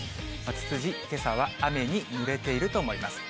ツツジ、けさは雨にぬれていると思います。